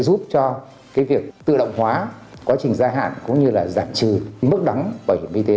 giúp cho việc tự động hóa quá trình gia hạn cũng như là giảm trừ mức đóng bảo hiểm y tế